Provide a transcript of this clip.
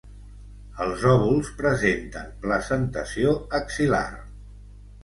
Els òvuls presenten placentació axil·lar.